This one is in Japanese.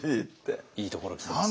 いいところついてますね。